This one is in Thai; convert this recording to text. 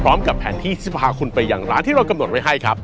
พร้อมกับแผนที่จะพาคุณไปอย่างร้านที่เรากำหนดไว้ให้ครับ